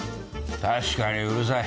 確かにうるさい。